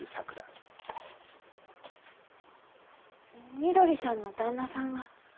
みどりさんの旦那さんは？